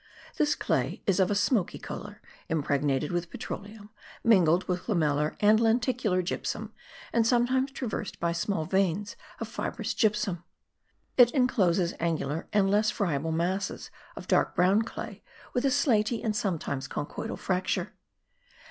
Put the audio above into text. This clay is of a smoky colour, impregnated with petroleum, mingled with lamellar and lenticular gypsum and sometimes traversed by small veins of fibrous gypsum. It incloses angular and less friable masses of dark brown clay with a slaty and sometimes conchoidal fracture.